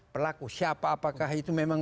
pelaku siapa apakah itu memang